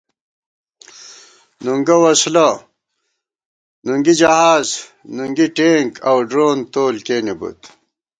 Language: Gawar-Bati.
نُنگہ وسلہ نُنگی جہاز نُنگی ٹېنک اؤ ڈرون تول کېنےبوت